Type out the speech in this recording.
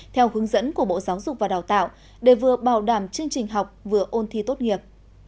theo hướng dẫn của bộ giáo dục và đào tạo để vừa bảo đảm chương trình học vừa ôn thi tốt nghiệp